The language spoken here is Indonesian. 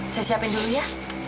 saya siapin dulu ya